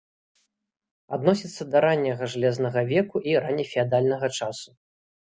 Адносіцца да ранняга жалезнага веку і раннефеадальнага часу.